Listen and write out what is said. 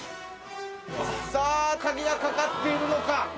さぁ鍵がかかっているのか？